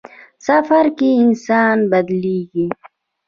سفر کې انسان بدلېږي.